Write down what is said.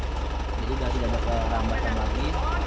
jadi gak ada yang bakal rambatkan lagi